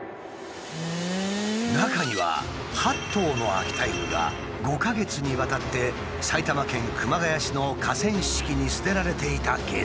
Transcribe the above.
中には８頭の秋田犬が５か月にわたって埼玉県熊谷市の河川敷に捨てられていたケースも。